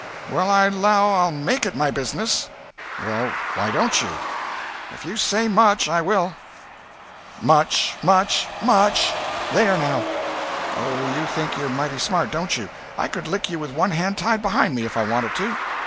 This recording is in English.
"Well I 'low I'll make it my business." "Well why don't you?" "If you say much, I will." "Much—much—much. There now." "Oh, you think you're mighty smart, don't you? I could lick you with one hand tied behind me, if I wanted to."